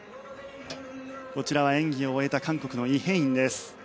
こちらは演技を終えた韓国のイ・ヘインです。